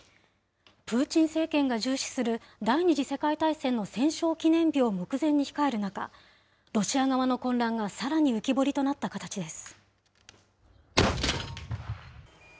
プーチン政権が重視する第２次世界大戦の戦勝記念日を目前に控える中、ロシア側の混乱がさらに浮き彫りとなった形です。